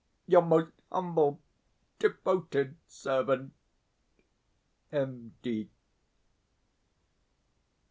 Your most humble, devoted servant, M.